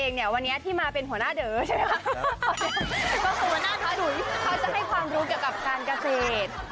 เขาจะให้ความรู้เกี่ยวกับการเกษตร